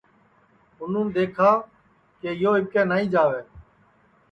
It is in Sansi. اُنون دیکھا کہ یو اِٻکے نائی جاوے